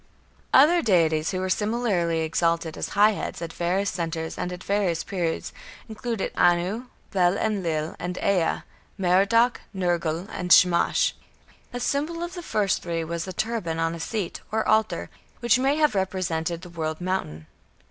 Other deities who were similarly exalted as "high heads" at various centres and at various periods, included Anu, Bel Enlil, and Ea, Merodach, Nergal, and Shamash. A symbol of the first three was a turban on a seat, or altar, which may have represented the "world mountain".